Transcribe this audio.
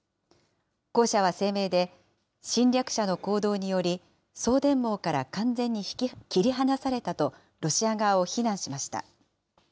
公社は声明で、侵略者の行動により、送電網から完全に切り離されたと、ロシア側を非難しました。